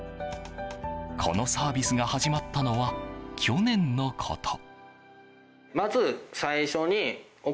このサービスが始まったのは去年のこと。